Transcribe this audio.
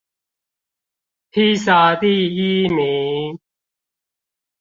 披薩第一名